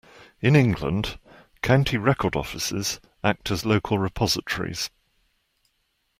In England, County Record Offices act as local repositories.